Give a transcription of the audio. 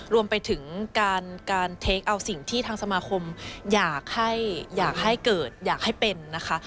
รวมไปถึงการเทคเอาสิ่งที่ทางสมาคมอยากให้อยากให้เกิดอยากให้เป็นนะคะ